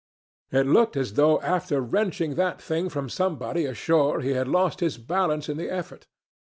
It looked as though after wrenching that thing from somebody ashore he had lost his balance in the effort.